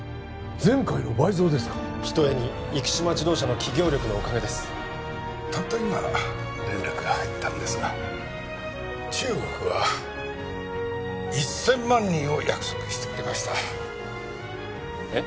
前回の倍増ですかひとえに生島自動車の企業力のおかげですたった今連絡が入ったんですが中国は１千万人を約束してくれましたえっ？